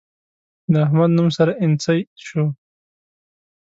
د احمد نوم سره اينڅۍ شو.